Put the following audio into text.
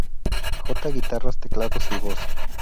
J: guitarras, teclados y voz.